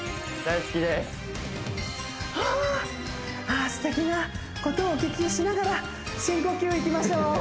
ああすてきなことをお聞きしながら深呼吸いきましょう